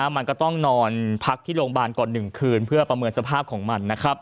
มันก็ต้องนอนพักที่โรงพยาบาลก่อน๑คืนเพื่อประเมินสภาพของมัน